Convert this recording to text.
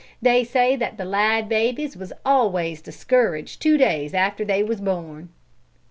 They say that the Ladd babies was always discouraged two days after they was born.'"